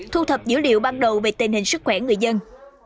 thu thập dữ liệu ban đầu về tình hình sức khỏe người dân